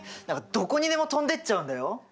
どこにでも飛んでっちゃうんだよ。